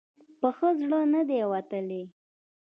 په ښه زړه نه دی وتلی.